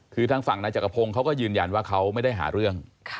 คือทางฝั่งนายจักรพงศ์เขาก็ยืนยันว่าเขาไม่ได้หาเรื่อง